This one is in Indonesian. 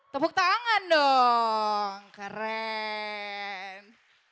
tepuk tangan dong keren